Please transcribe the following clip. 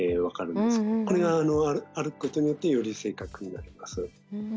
これが歩くことによってより正確になります。